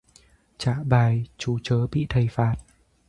Trả bài trú trớ bị thầy phạt